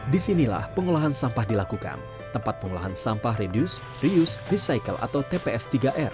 disinilah pengolahan sampah dilakukan tempat pengolahan sampah reduce reuse recycle atau tps tiga r